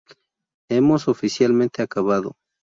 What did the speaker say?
Hemos oficialmente acabado.